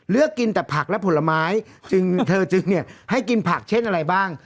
เลือกกินแต่ผักและผลไม้จึงเธอจึงเนี่ยให้กินผักเช่นอะไรบ้าง